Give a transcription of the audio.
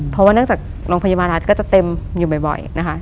เพราะว่าเนื่องจากโรงพยาบาลรัฐก็จะเต็มอยู่บ่อยนะคะ